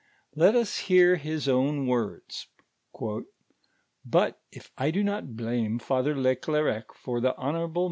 Let us hoor his own .voi'dn: "Hut if I do not blame Father le Clercq for the honorable n.